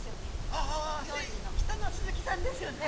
ああ人の鈴木さんですよね。